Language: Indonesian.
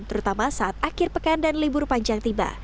terutama saat akhir pekan dan libur panjang tiba